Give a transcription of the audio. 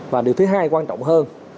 và điều thứ hai quan trọng hơn